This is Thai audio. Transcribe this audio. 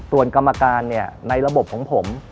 ส่วนกรรมการในระบบของผม